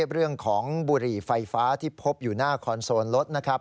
เรื่องของบุหรี่ไฟฟ้าที่พบอยู่หน้าคอนโซลรถนะครับ